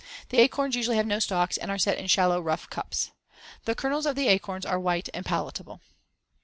The acorns usually have no stalks and are set in shallow, rough cups. The kernels of the acorns are white and palatable.